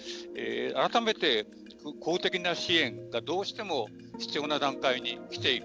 改めて公的な支援がどうしても必要な段階に来ている。